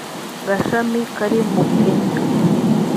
gashami kari mu kenya